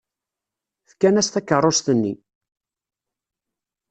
Fkan-as takeṛṛust-nni.